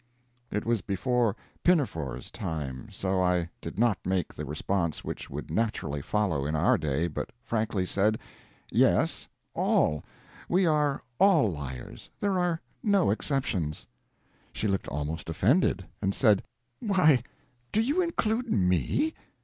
It was before "Pinafore's" time so I did not make the response which would naturally follow in our day, but frankly said, "Yes, all we are all liars; there are no exceptions." She looked almost offended, and said, "Why, do you include me?"